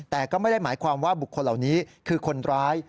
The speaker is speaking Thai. แต่ก็ไม่ได้หมายความว่าบุคคลเหล่านี้คือคนร้าย